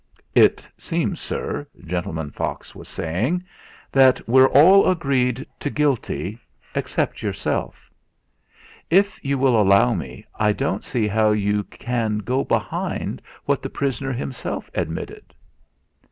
"It seems, sir," Gentleman Fox was saying, "that we're all agreed to guilty, except yourself. If you will allow me, I don't see how you can go behind what the prisoner himself admitted."